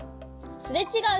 すれちがう